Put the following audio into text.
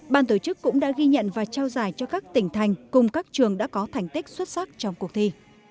ban tổ chức cũng đã ghi nhận và trao giải cho các tỉnh thành cùng các trường đã có thành tích xuất sắc trong cuộc thi